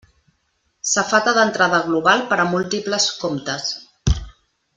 Safata d'entrada global per a múltiples comptes.